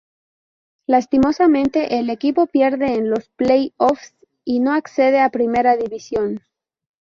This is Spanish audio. Lastimosamente el equipo pierde en los play-offs y no accede a primera división.